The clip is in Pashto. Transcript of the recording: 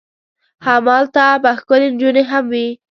همالته به ښکلې نجونې هم وي.